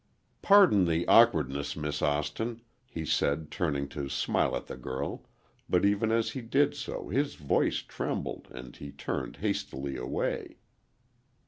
"Pardon the awkwardness, Miss Austin," he said, turning to smile at the girl, but even as he did so, his voice trembled, and he turned hastily away.